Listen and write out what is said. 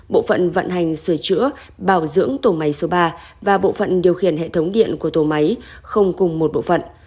bộ phận vận hành sửa chữa bảo dưỡng tổ máy số ba và bộ phận điều khiển hệ thống điện của tổ máy không cùng một bộ phận